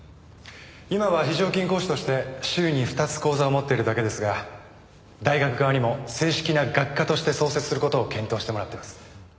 今は非常勤講師として週に２つ講座を持っているだけですが大学側にも正式な学科として創設する事を検討してもらってます。